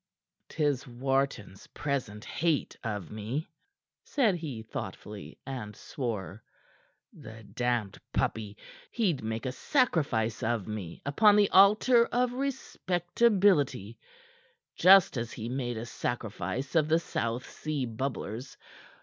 "'Tis Wharton's present hate of me," said he thoughtfully, and swore. "The damned puppy! He'd make a sacrifice of me upon the altar of respectability, just as he made a sacrifice of the South Sea bubblers.